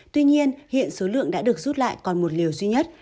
tuy nhiên hiện số lượng đã được rút lại còn một liều duy nhất